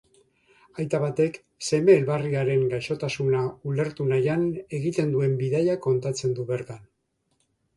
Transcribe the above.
Aita batek seme elbarriaren gaixotasuna ulertu nahian egiten duen bidaia kontatzen du bertan.